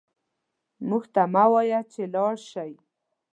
موږ ته مه وايه چې لاړ شئ